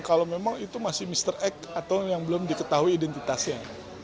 kalau memang itu masih mr x atau yang belum diketahui identitasnya